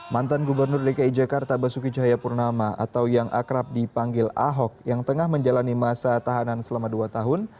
mantan gubernur dki jakarta basuki cahayapurnama atau yang akrab dipanggil ahok yang tengah menjalani masa tahanan selama dua tahun